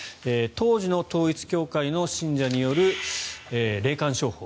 当時の統一教会の信者による霊感商法。